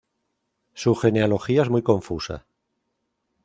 Su genealogía es muy confusa.